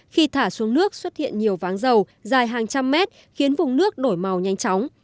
khi thả xuống nước xuất hiện nhiều váng dầu dài hàng trăm mét khiến vùng nước đổi màu nhanh chóng